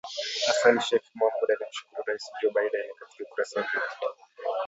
Hassan Sheikh Mohamud alimshukuru Rais Joe Biden katika ukurasa wa Twita